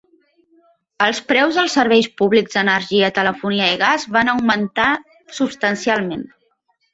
Els preus dels serveis públics d'energia, telefonia i gas van augmentar substancialment.